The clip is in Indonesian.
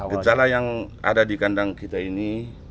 gejala yang ada di kandang kita ini